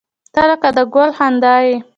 • ته لکه د ګل خندا یې.